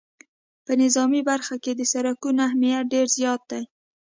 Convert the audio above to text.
په نظامي برخه کې د سرکونو اهمیت ډېر زیات دی